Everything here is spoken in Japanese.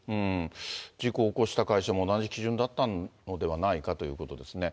事故を起こした会社も同じ基準だったのではないかということですね。